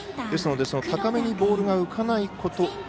ですので、高めにボールが浮かないこと。